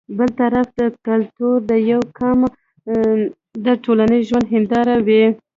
بل طرف ته کلتور د يو قام د ټولنيز ژوند هنداره وي